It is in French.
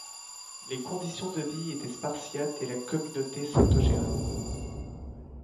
Les conditions de vie étaient spartiates et la communauté s'autogèrait.